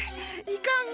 いかん。